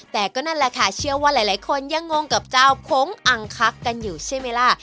แต่ก็นั่นแหละค่ะเชื่อว่าหลายคนยังงงกับเจ้าโค้งอังคักกันอยู่ใช่ไหมล่ะ